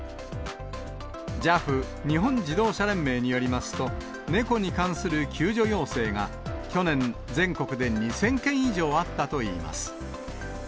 ＪＡＦ・日本自動車連盟によりますと、猫に関する救助要請が、去年、全国で２０００件以上あったといいます。